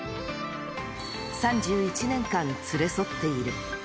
３１年間、連れ添っている。